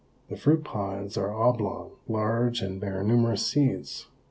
The fruit pods are oblong, large, and bear numerous seeds.